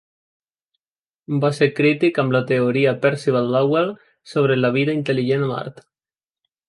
Va ser crític amb la teoria de Percival Lowell sobre la vida intel·ligent a Mart.